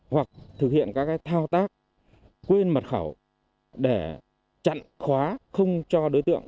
hoặc thực hiện các thao tác quên mật khẩu để chặn khóa không cho đối tượng